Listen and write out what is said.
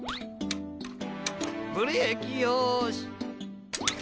ブレーキよし。